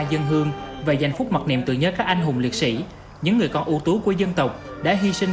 dân hương và giành phúc mặt niệm tự nhớ các anh hùng liệt sĩ những người con ưu tú của dân tộc đã hy sinh